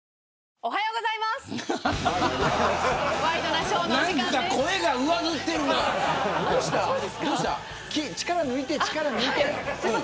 おはようございます。